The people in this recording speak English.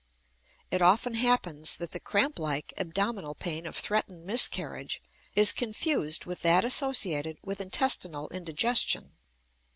It often happens that the cramp like abdominal pain of threatened miscarriage is confused with that associated with intestinal indigestion.